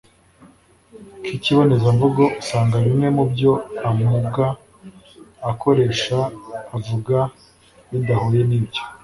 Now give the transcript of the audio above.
k'ikibonezamvugo usanga bimwe mu byo amuga akoresha avuga bidahuye n'ibyo